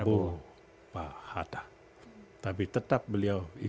terima kasih pak bintagel females